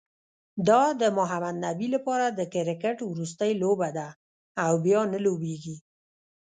دا د محمد نبي لپاره د کرکټ وروستۍ لوبه ده، او بیا نه لوبیږي